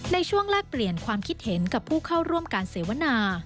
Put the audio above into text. แลกเปลี่ยนความคิดเห็นกับผู้เข้าร่วมการเสวนา